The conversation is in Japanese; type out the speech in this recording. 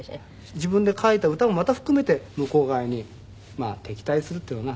自分で書いた歌もまた含めて向こう側に敵対するっていうのかな？